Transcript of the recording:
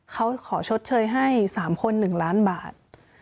เขาขอชดเชยให้๓คน๑ล้านบาท